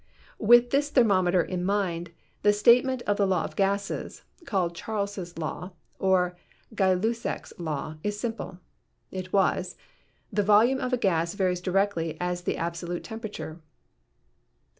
With this thermometer in mind, the statement of the law of gases, called Charles' Law, or Gay Lussac's Law, is simple. It was: The volume of a gas varies directly as the absolute tem perature.